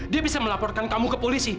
dia bisa melaporkan kamu ke polisi